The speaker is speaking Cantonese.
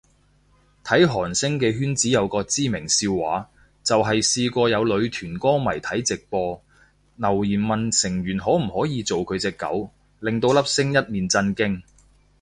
睇韓星嘅圈子有個知名笑話，就係試過有女團歌迷睇直播，留言問成員可唔可以做佢隻狗，令到粒星一面震驚